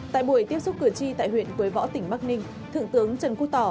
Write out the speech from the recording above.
tại buổi tiếp xúc cửa chi tại huyện quế võ tỉnh bắc ninh thượng tướng trần quốc tỏ